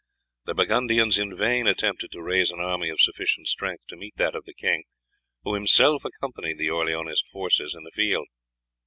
The Burgundians in vain attempted to raise an army of sufficient strength to meet that of the king, who himself accompanied the Orleanist forces in the field.